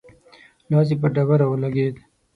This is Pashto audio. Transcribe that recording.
لاس يې پر ډبره ولګېد.